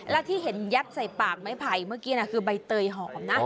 แล้วที่เห็นยัดใส่ปากไม้ไผ่เมื่อกี้คือใบเตยหอมนะ